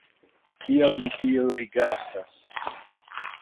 Kial vi tiel rigardas?